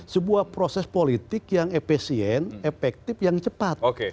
sebuah proses politik yang efisien efektif yang cepat